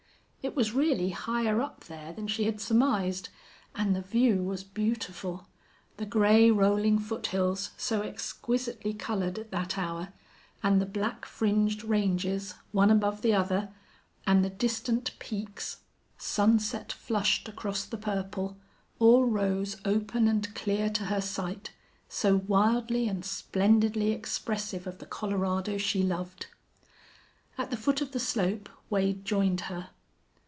It was really higher up there than she had surmised. And the view was beautiful. The gray, rolling foothills, so exquisitely colored at that hour, and the black fringed ranges, one above the other, and the distant peaks, sunset flushed across the purple, all rose open and clear to her sight, so wildly and splendidly expressive of the Colorado she loved. At the foot of the slope Wade joined her.